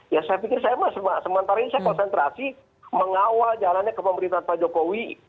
ya saya pikir saya sementara ini saya konsentrasi mengawal jalannya kepemerintahan pak jokowi